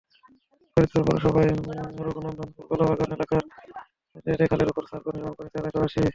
ফরিদপুর পৌরসভার রঘুনন্দনপুর-কলাবাগান এলাকায় স্বেচ্ছাশ্রমের ভিত্তিতে খালের ওপর সাঁকো নির্মাণ করছেন এলাকাবাসী।